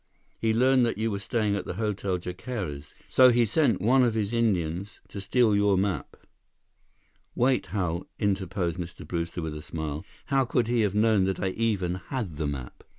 He learned that you were staying at the Hotel Jacares. So he sent one of his Indians to steal your map—" "Wait, Hal," interposed Mr. Brewster with a smile. "How could he have known that I even had the map?"